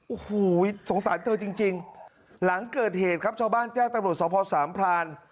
โอ้โหสงสารเธอจริงหลังเกิดเหตุครับชาวบ้านแจ้งตำรวจสภสามพราน